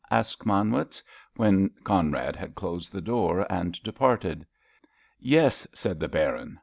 asked Manwitz, when Conrad had closed the door and departed. "Yes," said the Baron.